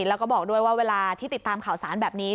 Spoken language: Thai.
แล้วก็บอกด้วยว่าเวลาที่ติดตามข่าวสารแบบนี้